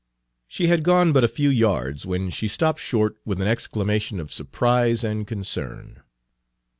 She had gone but a few yards when she stopped short with an exclamation of surprise and concern.